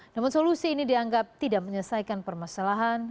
namun solusi ini dianggap tidak menyelesaikan permasalahan